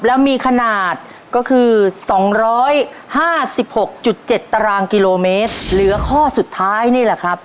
แล้วมีขนาดก็คือสองร้อยห้าสิบหกจุดเจ็ดตารางกิโลเมตรเหลือข้อสุดท้ายนี่แหละครับ